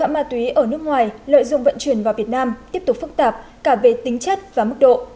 ma túy ở nước ngoài lợi dụng vận chuyển vào việt nam tiếp tục phức tạp cả về tính chất và mức độ